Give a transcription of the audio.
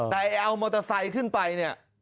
แต่เอามอเตอร์ไซค์ขึ้นไปเนี่ย